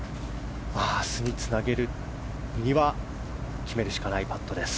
明日につなげるには決めるしかないパットです。